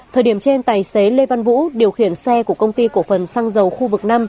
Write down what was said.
thời điểm trên tài xế lê văn vũ điều khiển xe của công ty cổ phần xăng dầu khu vực năm